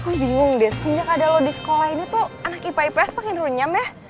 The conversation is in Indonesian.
aku bingung deh semenjak ada lo di sekolah ini tuh anak ipa ips makin runyam ya